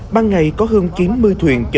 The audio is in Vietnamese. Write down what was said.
ban ngày có hơn chín mươi thuyền chở